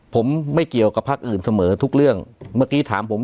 ผมไม่เกี่ยวกับภาคอื่นเสมอทุกเรื่องเมื่อกี้ถามผมเรื่องภาคอื่น